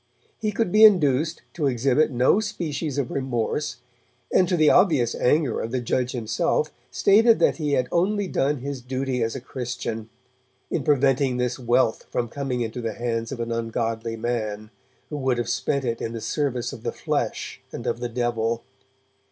He could be induced to exhibit no species of remorse, and, to the obvious anger of the judge himself, stated that he had only done his duty as a Christian, in preventing this wealth from coming into the hands of an ungodly man, who would have spent it in the service of the flesh and of the devil.